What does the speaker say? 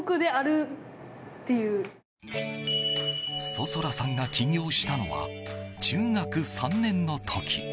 想空さんが起業したのは中学３年の時。